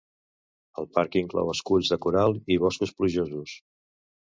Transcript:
El parc inclou esculls de coral i boscos plujosos.